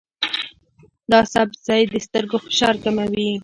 دا سبزی د سترګو فشار کموي.